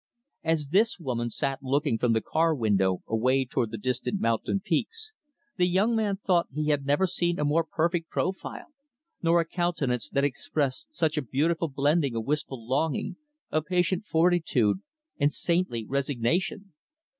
As this woman sat looking from the car window away toward the distant mountain peaks, the young man thought he had never seen a more perfect profile; nor a countenance that expressed such a beautiful blending of wistful longing, of patient fortitude, and saintly resignation.